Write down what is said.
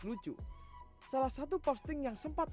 lain lagi dengan nu garis satu